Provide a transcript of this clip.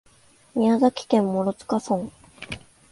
宮崎県諸塚村